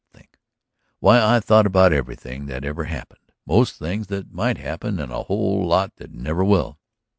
Think? Why, I thought about everything that ever happened, most things that might happen, and a whole lot that never will.